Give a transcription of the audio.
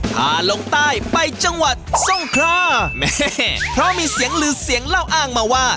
พาลงใต้ไปจังหวัดทรงคราแม่เพราะมีเสียงลือเสียงเล่าอ้างมาว่า